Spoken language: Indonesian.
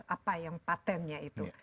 apa yang patentnya itu